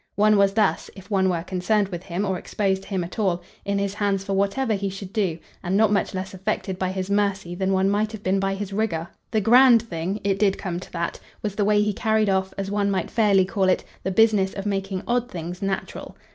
One was thus if one were concerned with him or exposed to him at all in his hands for whatever he should do, and not much less affected by his mercy than one might have been by his rigour. The grand thing it did come to that was the way he carried off, as one might fairly call it, the business of making odd things natural.